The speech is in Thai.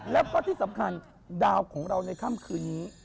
แล้วก็ที่สำคัญดาวของเราในค่ำคืนนี้